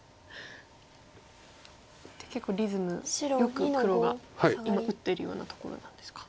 結構リズムよく黒が今打ってるようなところなんですか。